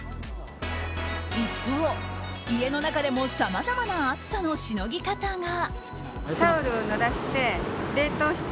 一方、家の中でもさまざまな暑さのしのぎ方が。